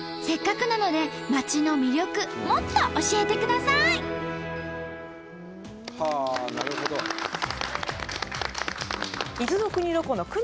せっかくなので町の魅力もっと教えてください！はあなるほど。